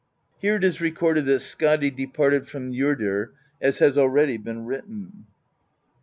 Here it is recorded that Skadi departed from Njordr, as has already been written.